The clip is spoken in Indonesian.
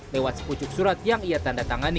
lewat sepucuk surat yang ia tanda tangani